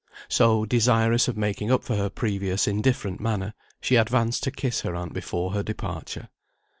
So, desirous of making up for her previous indifferent manner, she advanced to kiss her aunt before her departure.